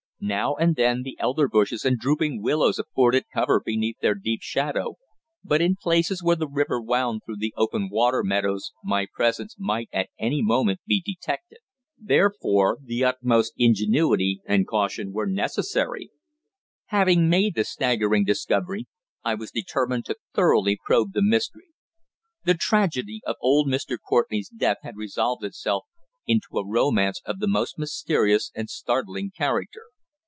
Now and then the elder bushes and drooping willows afforded cover beneath their deep shadow, but in places where the river wound through the open water meadows my presence might at any moment be detected. Therefore the utmost ingenuity and caution were necessary. Having made the staggering discovery, I was determined to thoroughly probe the mystery. The tragedy of old Mr. Courtenay's death had resolved itself into a romance of the most mysterious and startling character.